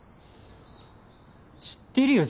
知ってるよ